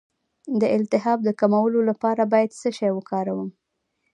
د التهاب د کمولو لپاره باید څه شی وکاروم؟